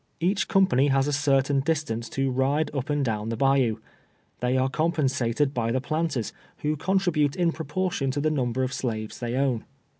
Each company has a certain distance to ride up and down the bayou. They are compensated by the planters, who contril)ute in proportion to the number of slaves they own.